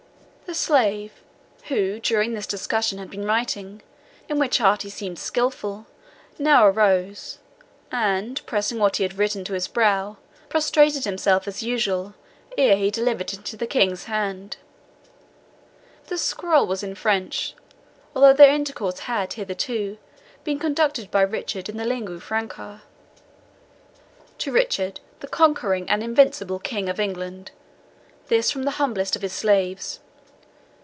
The slave, who during this discussion had been writing, in which art he seemed skilful, now arose, and pressing what he had written to his brow, prostrated himself as usual, ere he delivered it into the King's hands. The scroll was in French, although their intercourse had hitherto been conducted by Richard in the lingua franca. "To Richard, the conquering and invincible King of England, this from the humblest of his slaves.